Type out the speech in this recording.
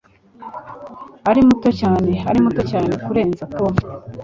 Ari muto cyane. Ari muto cyane kurenza Tom.